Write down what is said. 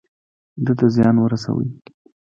ده ته زيان ورسوي.